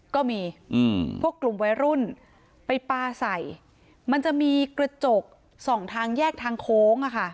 ก็มีพวกกลุ่มวัยรุ่นไปปลาใส่มันจะมีกระจกสองทางแยกทางโค้ง